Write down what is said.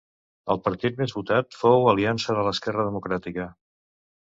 El partit més votat fou Aliança de l'Esquerra Democràtica.